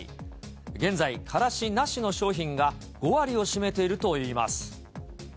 現在、カラシなしの商品が５割を占めているといいます。